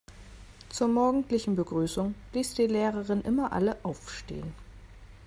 Zur morgendlichen Begrüßung ließ die Lehrerin immer alle aufstehen.